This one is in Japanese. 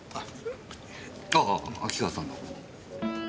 あぁ秋川さんの。